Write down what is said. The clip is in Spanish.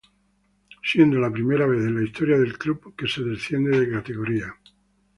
Siendo la primera vez en la historia del club, que se desciende de categoría.